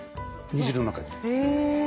煮汁の中に。